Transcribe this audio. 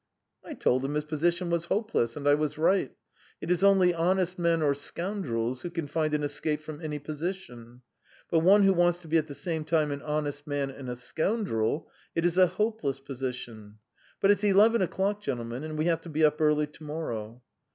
"I told him his position was hopeless. And I was right. It is only honest men or scoundrels who can find an escape from any position, but one who wants to be at the same time an honest man and a scoundrel it is a hopeless position. But it's eleven o'clock, gentlemen, and we have to be up early to morrow."